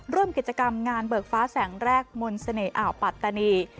ร่วมกิจกรรมงานเบิกฟ้าแสงแรกมนต์เสน่หอ่าวปัตตานี